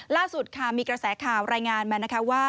ล่าสุดมีกระแสข่าวรายงานมาว่า